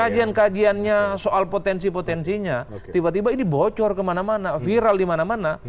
kajian kajiannya soal potensi potensinya tiba tiba ini bocor kemana mana viral di mana mana